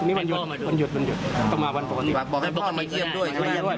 มันหยุดมันหยุดมันหยุดต้องมาบรรพอนี้บอกให้พ่อมาเยี่ยมด้วย